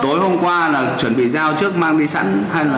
tối hôm qua là chuẩn bị dao trước mang đi sẵn hay là